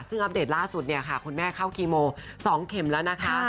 ซึ่งอัปเดตล่าสุดเนี่ยค่ะคุณแม่เข้าคีโม๒เข็มแล้วนะคะ